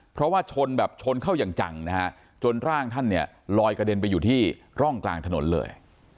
เพราะว่าชนแบบชนเข้าอย่างจังนะฮะจนร่างท่านเนี่ยลอยกระเด็นไปอยู่ที่ร่องกลางถนนเลย